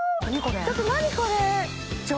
ちょっと何これ！